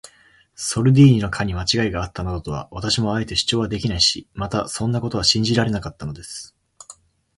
ソルディーニの課にまちがいがあったなどとは、私もあえて主張できないし、またそんなことは信じられなかったのです。